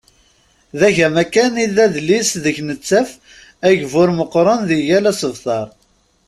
D agama kan i d adlis deg nettaf agbur meqqren di yal asebter.